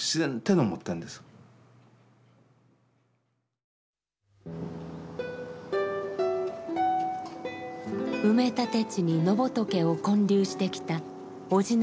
埋め立て地に野仏を建立してきた叔父の正人さん。